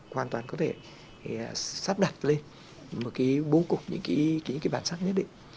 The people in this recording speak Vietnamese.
hoàn toàn có thể sắp đặt lên một cái bố cục những cái bản sắc nhất định